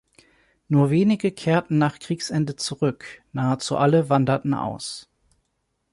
Nur wenige kehrten nach Kriegsende zurück; nahezu alle wanderten aus.